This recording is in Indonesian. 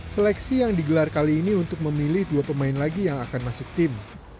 seleksi yang digelar kali ini untuk memilih dua pemain lagi yang akan masuk tim